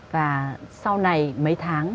và sau này mấy tháng